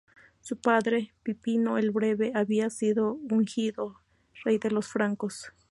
Su padre, Pipino el Breve, había sido ungido rey de los francos.